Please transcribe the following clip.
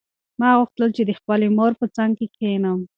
ما غوښتل چې د خپلې مور په څنګ کې کښېنم.